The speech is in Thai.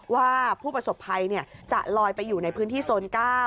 ว่าผู้ประสบภัยจะลอยไปอยู่ในพื้นที่โซน๙